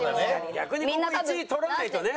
逆にここ１位取らないとね！